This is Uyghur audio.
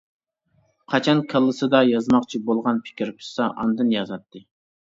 قاچان كاللىسىدا يازماقچى بولغان پىكىر پىشسا ئاندىن يازاتتى.